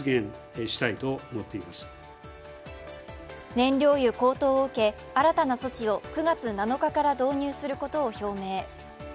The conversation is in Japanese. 燃料油高騰を受け新たな措置を９月７日から導入することを表明。